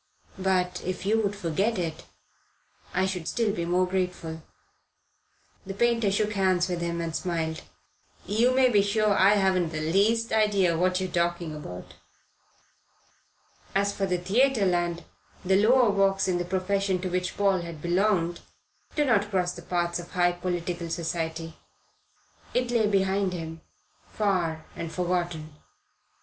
But if you would forget it I should be still more grateful." The painter shook hands with him and smiled. "You may be sure I haven't the least idea what you're talking about." As for Theatreland, the lower walks in the profession to which Paul had belonged do not cross the paths of high political society. It lay behind him far and forgotten.